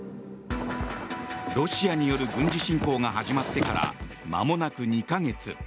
ロシアによる軍事侵攻が始まってからまもなく２か月。